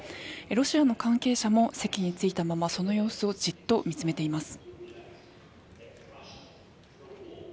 ロシアの関係者も席に着いたままその様子をじっと見詰めています。